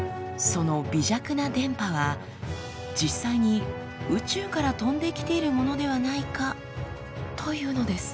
その微弱な電波は実際に宇宙から飛んできているものではないかというのです。